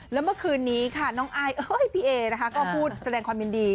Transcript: แล้วเมื่อคืนนี้ค่ะน้องอายเอ้ยพี่เอนะคะก็พูดแสดงความยินดี